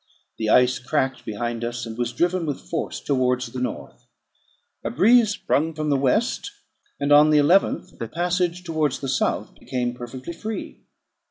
The ice cracked behind us, and was driven with force towards the north; a breeze sprung from the west, and on the 11th the passage towards the south became perfectly free.